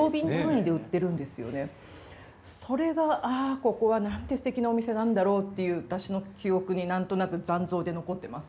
それがここはなんてすてきなお店なんだろうっていう私の記憶になんとなく残像で残ってます。